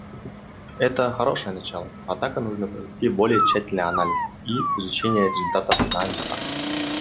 Это — хорошее начало, однако нужно провести более тщательный анализ и изучение результатов на местах.